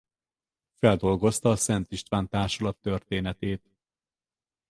Feldolgozta a Szent István Társulat történetét.